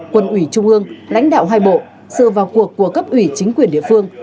quân ủy trung ương lãnh đạo hai bộ sự vào cuộc của cấp ủy chính quyền địa phương